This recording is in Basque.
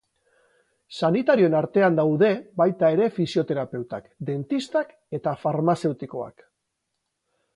Sanitarioen artean daude baita ere fisioterapeutak, dentistak eta farmazeutikoak.